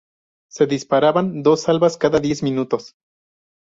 Se disparaban dos salvas cada diez minutos.